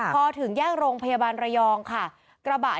พอถึงแยกโรงพยาบาลไรยองค่ะ